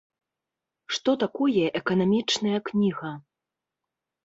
Што такое эканамічная кніга?